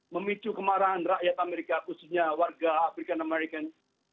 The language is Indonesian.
memicu kemarahan rakyat amerika khususnya warga african american